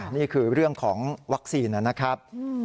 นี่คือเรื่องของวัคซีนนะครับ